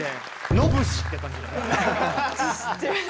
野武士って感じだね。